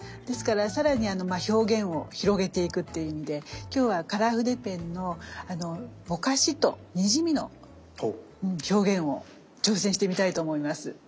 ですから更に表現を広げていくっていう意味で今日はカラー筆ペンのぼかしとにじみの表現を挑戦してみたいと思います。